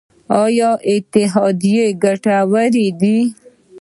آیا اتحادیې ګټورې دي؟